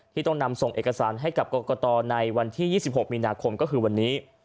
ต้องนำส่งเอกสารให้กับกรกตในวันที่๒๖มีนาคมก็คือวันนี้